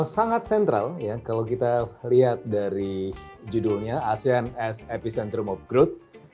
sangat sentral ya kalau kita lihat dari judulnya asean s epicentrum of growth